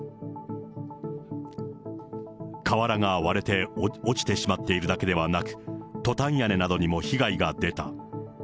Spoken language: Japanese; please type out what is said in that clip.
瓦が割れて落ちてしまっているだけではなく、トタン屋根などにも被害が出た。